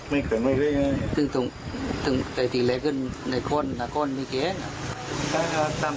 มีลูกศิษย์ทั้งไทย